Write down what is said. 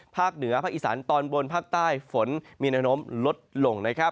เหนือภาคอีสานตอนบนภาคใต้ฝนมีแนวโน้มลดลง